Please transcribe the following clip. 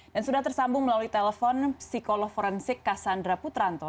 dan sudah tersambung melalui telepon psikolog forensik cassandra putranto